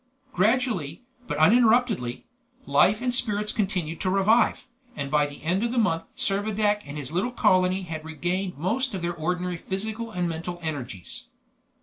Gradually, but uninterruptedly, life and spirits continued to revive, and by the end of the month Servadac and his little colony had regained most of their ordinary physical and mental energies.